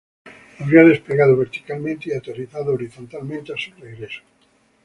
Habría despegado verticalmente y aterrizado horizontalmente a su regreso.